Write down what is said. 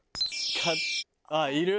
あっいる！